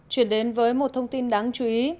chuyển đến với một thông tin đáng chú ý